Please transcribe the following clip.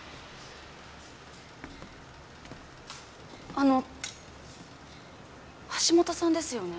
あの橋本さんですよね。